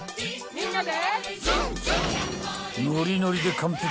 ・みんなで！